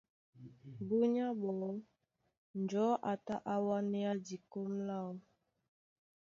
Búnyá ɓɔɔ́ njɔ̌ a tá á wánéá dikɔ́m láō.